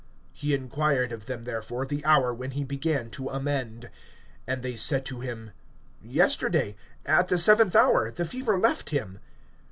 (52)He inquired of them, therefore, the hour when he began to amend. And they said to him: Yesterday, at the seventh hour, the fever left him.